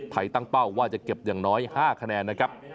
ตั้งเป้าว่าจะเก็บอย่างน้อย๕คะแนนนะครับ